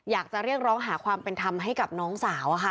อยากจะเรียกร้องหาความเป็นธรรมให้กับน้องสาว